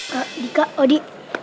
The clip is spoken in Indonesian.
kak dika odi